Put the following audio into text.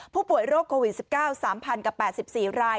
ผู้ป่วยโรคโควิด๑๙๓๐๐กับ๘๔ราย